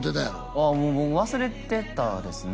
ああもう忘れてたですね